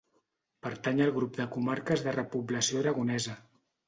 Pertany al grup de comarques de repoblació aragonesa.